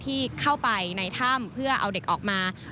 ที่เข้าไปในถ้ำเพื่อเอาเด็กออกมา